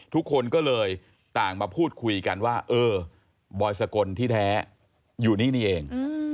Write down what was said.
ทุกคนก็เลยต่างมาพูดคุยกันว่าเออบอยสกลที่แท้อยู่นี่นี่เอง